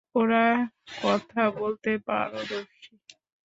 ওরা কথা বলতে পারদর্শী।